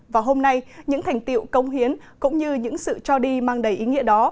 và hôm nay những thành tiệu công hiến cũng như những sự cho đi mang đầy ý nghĩa đó